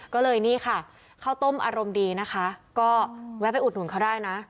ก็เลยนี่ค่ะข้าวต้มอารมณ์ดีนะคะก็แวะไปอุดหนุนเขาได้นะ